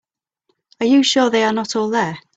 Are you sure they are not all there?